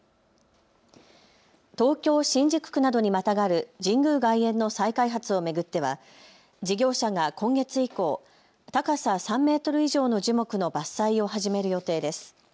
東京新宿区などにまたがる神宮外苑の再開発を巡っては事業者が今月以降、高さ３メートル以上の樹木の伐採を始める予定です。